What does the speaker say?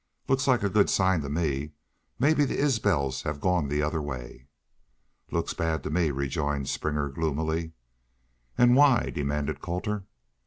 Looks like a good sign to me. Mebbe the Isbels have gone the other way." "Looks bad to me," rejoined Springer, gloomily. "An' why?" demanded Colter.